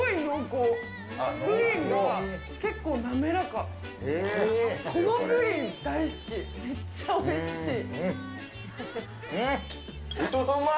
このプリン大好き、めっちゃおいしい。